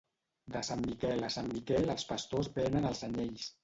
De sant Miquel a sant Miquel els pastors venen els anyells.